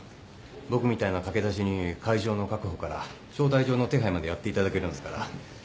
僕みたいな駆け出しに会場の確保から招待状の手配までやっていただけるんですから。